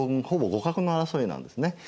ほぼ互角の争いなんですね。